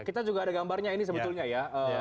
kita juga ada gambarnya ini sebetulnya ya